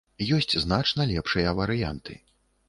Ёсць значна лепшыя варыянты.